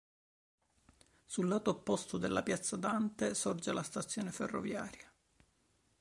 Sul lato opposto della piazza Dante sorge la stazione ferroviaria.